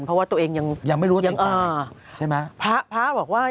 เพราะว่าตัวเองยังใช่ไหมพระพระบอกว่า